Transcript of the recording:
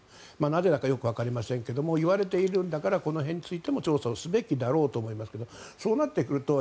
なぜだかよくわかりませんが言われているんだからこの辺についても調査するべきだと思いますがそうなってくると